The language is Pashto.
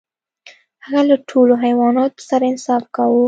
هغه له ټولو حیواناتو سره انصاف کاوه.